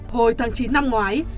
hồi tháng chín năm ngoái